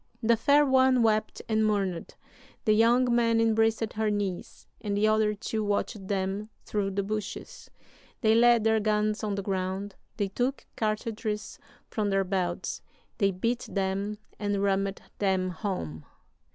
"The fair one wept and mourned; the young man embraced her knees; and the other two watched them through the bushes. They laid their guns on the ground; they took cartridges from their belts; they bit them and rammed them home.